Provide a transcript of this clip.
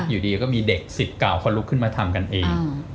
อยู่ดีก็มีเด็ก๑๙คนลุกขึ้นมาทำกันเอง